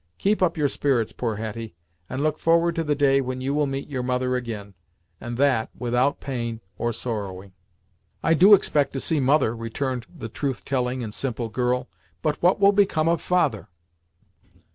Keep up your spirits, poor Hetty, and look forward to the day when you will meet your mother ag'in, and that without pain, or sorrowing." "I do expect to see mother," returned the truth telling and simple girl, "but what will become of father?"